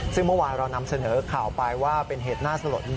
ซึ่งเมื่อวานเรานำเสนอข่าวไปว่าเป็นเหตุน่าสลด